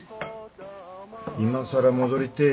今更戻りてえ